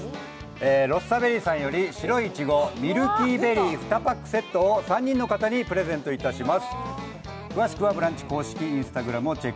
ＲｏｓｓａＢｅｒｒｙさんより白いいちご、ミルキーベリー２パックセットを３人の方にプレゼントいたします。